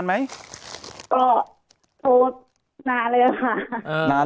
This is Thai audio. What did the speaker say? ค่ะขอบคุณค่ะ